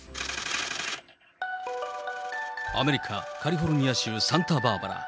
アメリカ・カリフォルニア州サンタバーバラ。